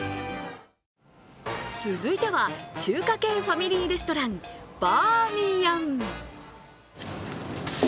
続いては、中華系ファミリーレストランバーミヤン。